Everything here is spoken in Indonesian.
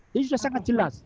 ini sudah sangat jelas